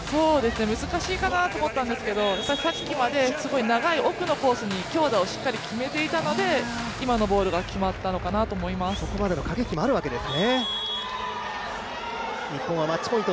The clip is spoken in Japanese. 難しいかなと思ったんですけどさっきまですごい長い奥のコースに強打をしっかり決めていたので、今のボールが決まったのかなと思います。